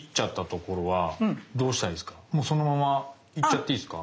もうそのまま行っちゃっていいですか？